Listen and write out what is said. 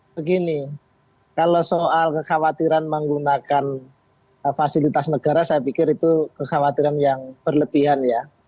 begini kalau soal kekhawatiran menggunakan fasilitas negara saya pikir itu kekhawatiran yang berlebihan ya